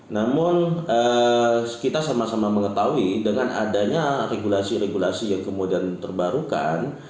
namun kita sama sama mengetahui dengan adanya regulasi regulasi yang kemudian terbarukan